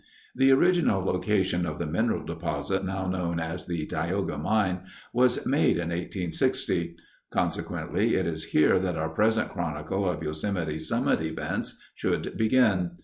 The original location of the mineral deposit now known as the Tioga Mine was made in 1860. Consequently, it is here that our present chronicle of Yosemite summit events should begin.